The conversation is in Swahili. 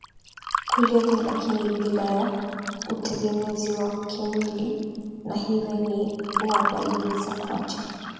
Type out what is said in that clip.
kulevya lakini bila ya utegemezi wa kimwili na hivyo ni wa dalili za kuacha